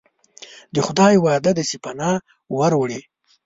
د خدای وعده ده چې پناه وروړي.